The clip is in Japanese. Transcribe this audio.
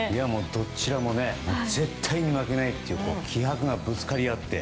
どちらも絶対に負けないっていう気迫がぶつかり合って。